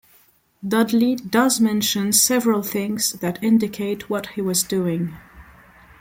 Dudley does mention several things that indicate what he was doing.